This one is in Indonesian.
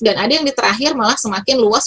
dan ada yang di terakhir malah semakin luas